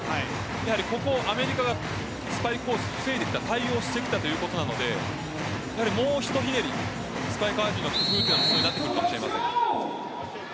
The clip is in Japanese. やはり、ここをアメリカがスパイクを防いできた対応してきたということなのでもう、一ひねりスパイカー陣の工夫が必要になってきます。